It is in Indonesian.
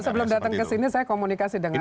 sebelum datang ke sini saya komunikasi dengan